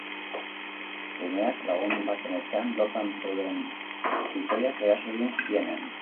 Umeak lagun baten etxean lotan zeuden pitoiak eraso egin zienean.